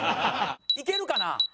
いけるかな？